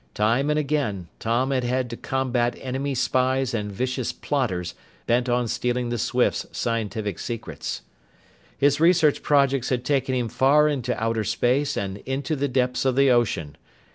Time and again, Tom had had to combat enemy spies and vicious plotters bent on stealing the Swifts' scientific secrets. His research projects had taken him far into outer space and into the depths of the ocean.